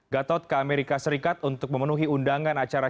gatot ke amerika serikat untuk memenuhi undangan acara